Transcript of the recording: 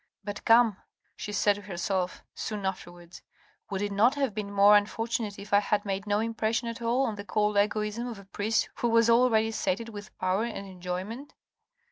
" But come," she said to herself soon after wards. " Would it not have been more unfortunate if I had made no impression at all on the cold egoism of a priest who was already sated with power and enjoyment